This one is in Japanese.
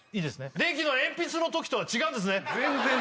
電気のえんぴつの時とは違うんですね